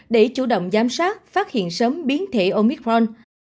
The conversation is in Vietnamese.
để chủ động giám sát phát hiện sớm biến thể omicron